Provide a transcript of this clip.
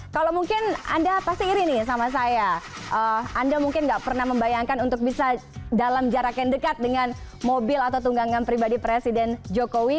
kalau mungkin anda pasti iri nih sama saya anda mungkin nggak pernah membayangkan untuk bisa dalam jarak yang dekat dengan mobil atau tunggangan pribadi presiden jokowi